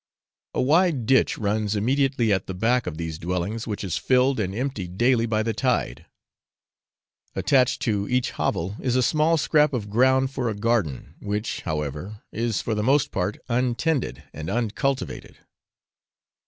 A wide ditch runs immediately at the back of these dwellings, which is filled and emptied daily by the tide. Attached to each hovel is a small scrap of ground for a garden, which, however, is for the most part untended and uncultivated.